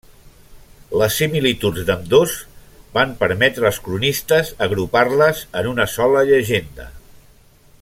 Les similituds d'ambdós van permetre als cronistes agrupar-les en una sola llegenda.